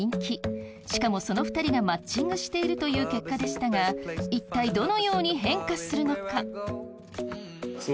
しかもその２人がマッチングしているという結果でしたが一体どのように変化するのか？